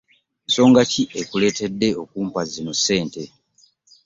Nsonga ki ekuletedde okumpa zino ssente.